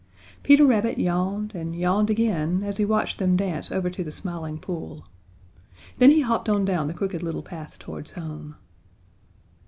Peter Rabbit yawned and yawned again as he watched them dance over to the Smiling Pool. Then he hopped on down the Crooked Little Path towards home.